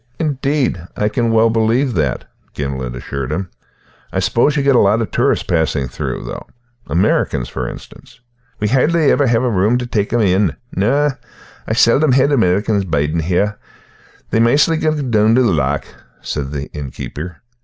"Indeed, I can well believe that," Gimblet assured him. "I suppose you get a lot of tourists passing through, though, Americans, for instance?" "We hardly ever hae a room tae tak' them in. No, I seldom hae an American bidin' here; they maistly gang doon the loch," said the innkeeper.